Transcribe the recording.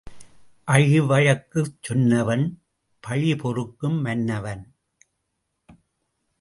அழி வழக்குச் சொன்னவன் பழி பொறுக்கும் மன்னவன்.